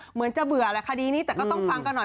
เหมือนจะเบื่อแหละคดีนี้แต่ก็ต้องฟังกันหน่อย